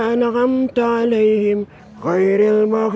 an'amta alaihim khairul alhamdulillah